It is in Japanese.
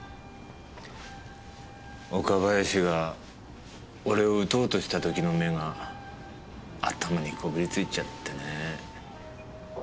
岡林が俺を撃とうとした時の目が頭にこびりついちゃってねぇ。